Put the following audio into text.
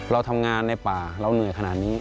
เราทำงานในป่าเราเหนื่อยขนาดนี้